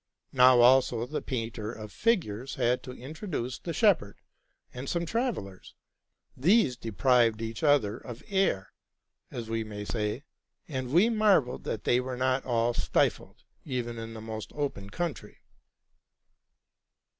Now also the painter of figures had to introduce the shepherd and some travellers: these deprived each other of air, as we may say; and we marvelled that they were not all stifled, even in the most open country.